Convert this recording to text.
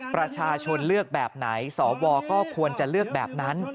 ประชาชนเลือกแบบไหนสวก็ควรจะเลือกแบบนั้น